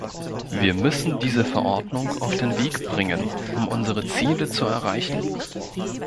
Wir müssen diese Verordnung auf den Weg bringen, um unsere Ziele zu erreichen.